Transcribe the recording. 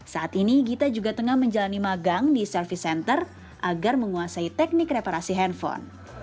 saat ini gita juga tengah menjalani magang di service center agar menguasai teknik reparasi handphone